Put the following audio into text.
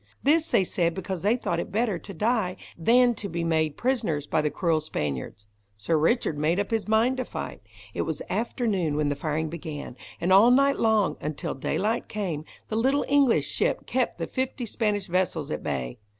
This they said because they thought it better to die, than to be made prisoners by the cruel Spaniards. Sir Richard made up his mind to fight. It was after noon when the firing began, and all night long, until daylight came, the little English ship kept the fifty Spanish vessels at bay.